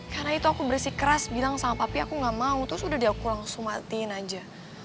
karena itu aku beresik keras bilang sama papi aku gak mau terus udah dia langsung matiin aja